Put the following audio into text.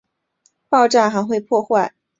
爆炸还会破坏附近之物体与生物个体。